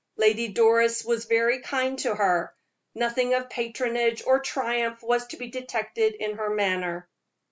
Lady Doris was very kind to her; nothing of patronage or triumph was to be detected in her manner.